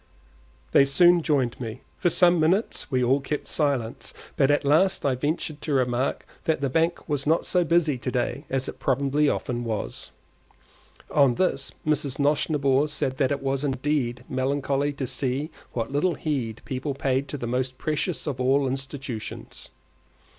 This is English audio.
They soon joined me. For some few minutes we all kept silence, but at last I ventured to remark that the bank was not so busy to day as it probably often was. On this Mrs. Nosnibor said that it was indeed melancholy to see what little heed people paid to the most precious of all institutions.